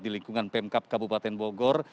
di lingkungan pemkap kabupaten bogor